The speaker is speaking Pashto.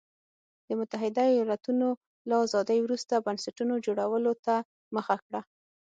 د متحده ایالتونو له ازادۍ وروسته بنسټونو جوړولو ته مخه کړه.